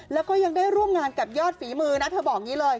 แล้วก็ยังได้ร่วมงานกับยอดฝีมือนะเธอบอกอย่างนี้เลย